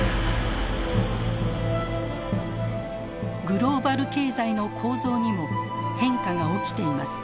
グローバル経済の構造にも変化が起きています。